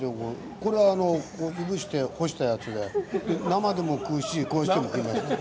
これはいぶして干したやつで生でも食うしこうしても食います」。